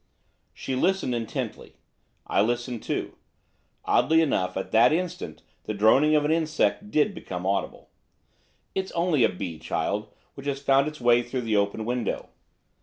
She listened, intently. I listened too. Oddly enough, at that instant the droning of an insect did become audible. 'It's only a bee, child, which has found its way through the open window.